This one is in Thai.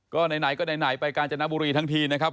ก็ไหนก็ไหนไปกาญจนบุรีทั้งทีนะครับ